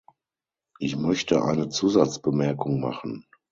Ich möchte eine Zusatzbemerkung machen.